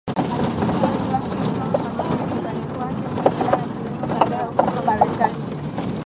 George Washington alirudi nyumbani kwake kuendelea na kilimo baada ya uhuru wa marekani